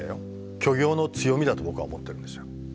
虚業の強みだと僕は思ってるんですよ